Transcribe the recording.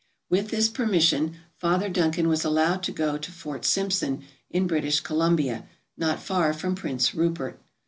" With this permission, Father Duncan was allowed to go to Fort Simpson, in British Columbia, not far from Prince Rupert.